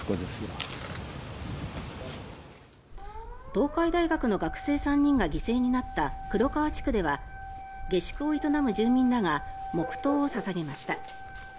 東海大学の学生３人が犠牲になった黒川地区では下宿を営む住民らが黙祷を捧げました。